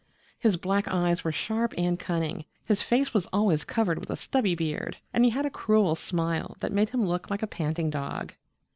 His black eyes were sharp and cunning, his face was always covered with a stubby beard and he had a cruel smile that made him look like a panting dog.